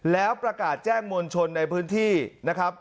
แล้วประกาศแจ้งมวลชนในพื้นที่นะครับ